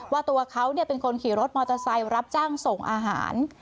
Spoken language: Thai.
ว่าตัวเขาเป็นคนขี่รถมอเตอร์ไซค์รับจ้างส่งอาหาร